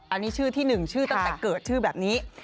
อันนี้ชื่อที่๑ชื่อตั้งแต่เกิดชื่อแบบนี้